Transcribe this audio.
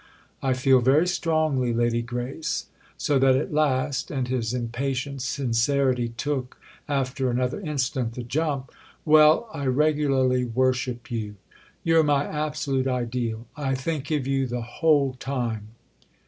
I feel very strongly, Lady Grace; so that at last"—and his impatient sincerity took after another instant the jump—"well, I regularly worship you. You're my absolute ideal. I think of you the whole time."